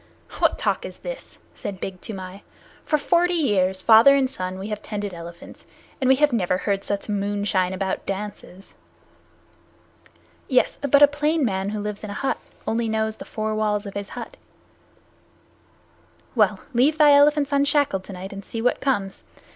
"What talk is this?" said Big Toomai. "For forty years, father and son, we have tended elephants, and we have never heard such moonshine about dances." "Yes; but a plainsman who lives in a hut knows only the four walls of his hut. Well, leave thy elephants unshackled tonight and see what comes.